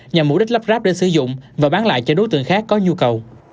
nhằm mục đích lắp ráp để sử dụng và bán lại cho đối tượng khác có nhu cầu